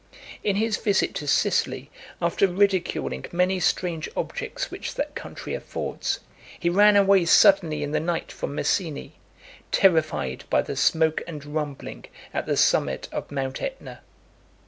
In his visit to Sicily, after ridiculing many strange objects which that country affords, he ran away suddenly in the night from Messini, terrified by the smoke and rumbling at the summit of Mount Aetna.